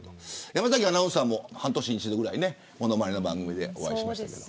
山崎アナウンサーも半年に一度ぐらい物まねの番組でお会いしましたけど。